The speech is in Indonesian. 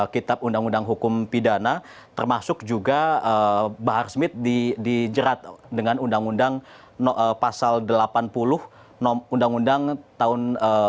kitab undang undang hukum pidana termasuk juga bahar smith dijerat dengan undang undang pasal delapan puluh undang undang tahun dua ribu